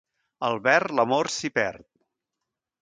Al verd, l'amor s'hi perd.